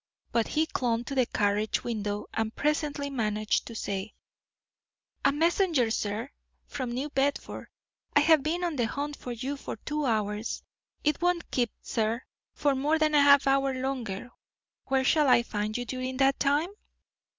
But he clung to the carriage window and presently managed to say: "A messenger, sir, from New Bedford. I have been on the hunt for you for two hours. It won't keep, sir, for more than a half hour longer. Where shall I find you during that time?"